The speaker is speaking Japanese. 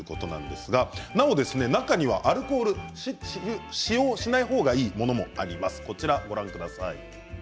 なお、中にはアルコールを使用しない方がいいものもあります。